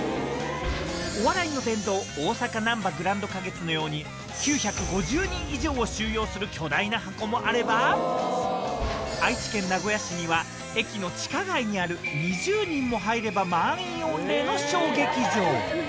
お笑いの殿堂、大阪なんばグランド花月のように、９５０人以上を収容する巨大なハコもあれば、愛知県名古屋市には、駅の地下街にある２０人も入れば満員御礼の小劇場。